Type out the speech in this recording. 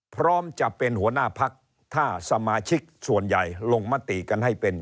พร้อมจะเป็นหัวหน้าพักถ้าสมาชิกส่วนใหญ่ลงมติกันให้เป็น